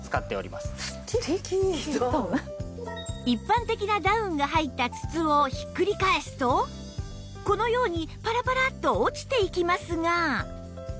一般的なダウンが入った筒をひっくり返すとこのようにパラパラと落ちていきますが